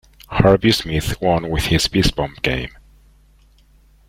Harvey Smith won with his PeaceBomb game.